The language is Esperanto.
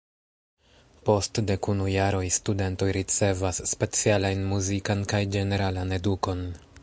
Post dekunu jaroj studentoj ricevas specialajn muzikan kaj ĝeneralan edukon.